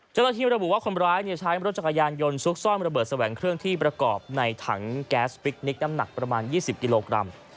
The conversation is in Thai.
เจ้าหน้าที่ระบุว่าคนร้ายใช้รถจักรยานยนต์ซุกซ่อนระเบิดแสวงเครื่องที่ประกอบในถังแก๊สพิคนิคน้ำหนักประมาณ๒๐กิโลกรัม